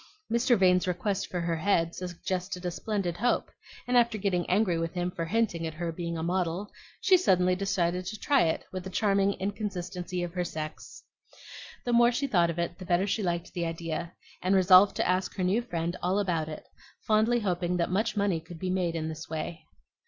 Mr. Vane's request for her head suggested a splendid hope; and after getting angry with him for hinting at her being a model, she suddenly decided to try it, with the charming inconsistency of her sex. The more she thought of it, the better she liked the idea, and resolved to ask her new friend all about it, fondly hoping that much money could be made in this way.